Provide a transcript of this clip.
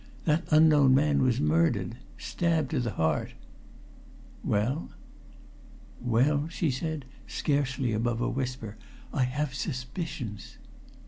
"That unknown man was murdered stabbed to the heart." "Well?" "Well," she said, scarcely above a whisper, "I have suspicions."